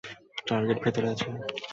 Target ভিতরে আছে।